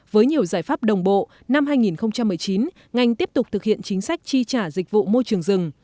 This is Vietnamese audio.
với nhiều giải pháp đồng bộ năm hai nghìn một mươi chín ngành tiếp tục thực hiện chính sách tri trả dịch vụ môi trường rừng